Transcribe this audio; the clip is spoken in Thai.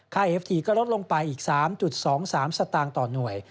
เอฟทีก็ลดลงไปอีก๓๒๓สตางค์ต่อหน่วย